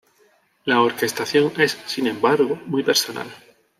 La orquestación es, sin embargo, muy personal.